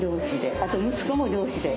あと息子も漁師で。